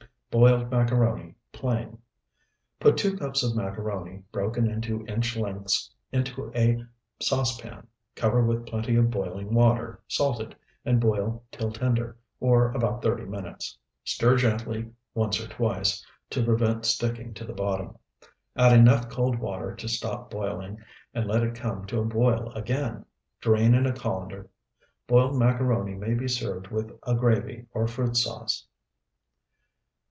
BOILED MACARONI (PLAIN) Put two cups of macaroni, broken into inch lengths, into a saucepan, cover with plenty of boiling water, salted, and boil till tender, or about thirty minutes. Stir gently once or twice, to prevent sticking to the bottom. Add enough cold water to stop boiling and let it come to a boil again. Drain in a colander. Boiled macaroni may be served with a gravy or fruit sauce.